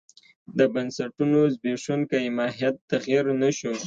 د بنسټونو زبېښونکی ماهیت تغیر نه شو.